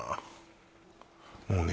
もうね